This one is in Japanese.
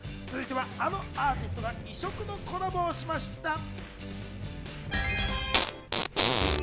続いては、あのアーティストが異色のコラボをしました。